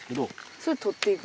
それ取っていく？